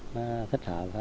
nó thích hợp hơn